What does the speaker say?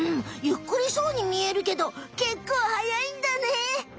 ゆっくりそうに見えるけどけっこうはやいんだね！